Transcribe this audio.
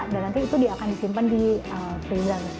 dan nanti itu akan disimpan di freezer